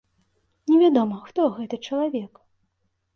Невядома, хто гэты чалавек.